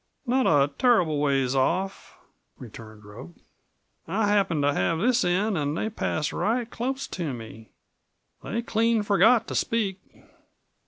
"Not a turruble ways off," returned Rope. "I happened to have this end an' they passed right close to me. They clean forgot to speak."